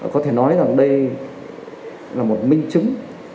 có thể nói rằng đây là một minh chứng